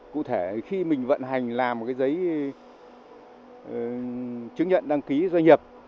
cụ thể khi mình vận hành làm một cái giấy chứng nhận đăng ký doanh nghiệp